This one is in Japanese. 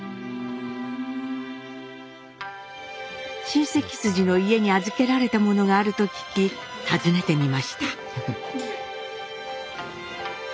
親戚筋の家に預けられたものがあると聞き訪ねてみました。